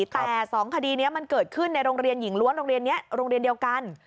แต่สองคดีนี้มันเกิดขึ้นในรงเรียนหญิงล้วนรงเรียนเดียวกัน